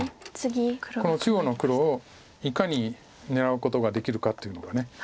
この中央の黒をいかに狙うことができるかというのが。